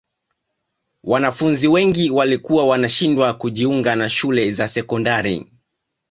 wanafunzi wengi walikuwa wanashindwa kujiunga na shule za sekondari